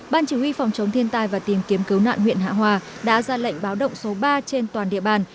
ban chỉ huy phòng chống thiên tai và tìm kiếm cứu nạn huyện hạ hòa đã ra lệnh báo động số ba trên toàn địa bàn